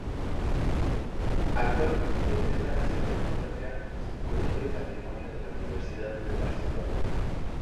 Actualmente es la Vicerrectora de Artes, Cultura y Patrimonio de la Universidad de Barcelona.